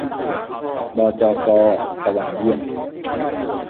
บจก.ตวันเยี่ยม